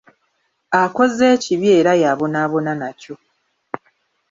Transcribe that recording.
Akoze ekibi era y’abonaabona nakyo.